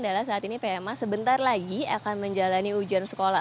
adalah saat ini pma sebentar lagi akan menjalani ujian sekolah